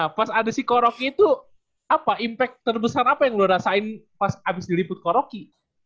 nah pas ada si ko rocky itu apa impact terbesar apa yang lo rasain pas abis diliput ko rocky